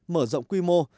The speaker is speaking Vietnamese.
mở rộng quy mô